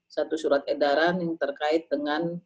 satu surat edaran yang terkait dengan